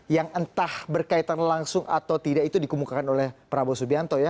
yang entah berkaitan langsung atau tidak itu dikemukakan oleh prabowo subianto ya